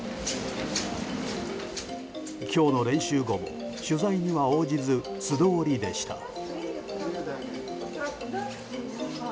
今日の練習後、取材には応じず素通りでした。